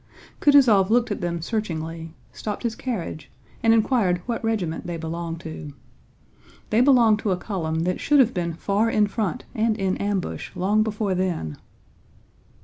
Kutúzov looked at them searchingly, stopped his carriage, and inquired what regiment they belonged to. They belonged to a column that should have been far in front and in ambush long before then.